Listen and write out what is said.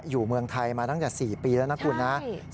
อยู่เมืองไทยมาตั้งแต่๔ปีแล้วนะคุณนะ